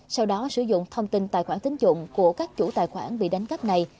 sau đó sử dụng thông tin tài khoản tính dụng của các chủ tài khoản bị đánh cắp này